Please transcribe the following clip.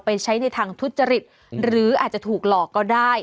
ใช้ในทางทุจริตหรืออาจจะถูกหลอกก็ได้